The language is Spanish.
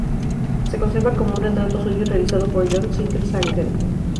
Se conserva un retrato suyo realizado por John Singer Sargent.